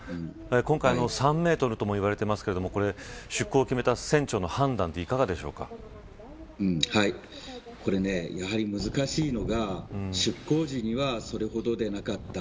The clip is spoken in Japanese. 今回３メートルとも言われていますけれども出港を決めた船長の判断はこれ、やはり難しいのが出港時にはそれほどではなかった。